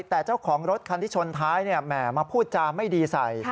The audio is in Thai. แต่เจ้าของรถคันที่ชนท้ายแหมมาพูดจาไม่ดีใส่